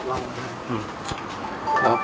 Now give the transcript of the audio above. ครับครับครับ